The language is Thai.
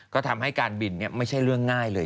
ก็ทำให้การบินไม่ใช่เรื่องง่ายเลย